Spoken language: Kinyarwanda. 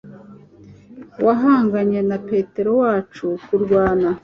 wahanganye na petero wacu kurwana